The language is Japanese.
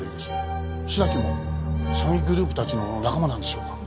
白木も詐欺グループたちの仲間なんでしょうか？